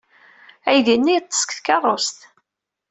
Aydi-nni yeḍḍes deg tkeṛṛust.